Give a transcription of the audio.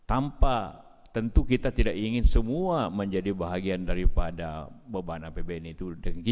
tanpa tentu kita tidak ingin semua menjadi bahagian daripada beban apbn itu